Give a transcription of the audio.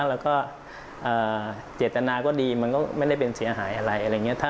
แล้วก็เจตนาก็ดีมันก็ไม่ได้เป็นเสียหายอะไรอะไรอย่างนี้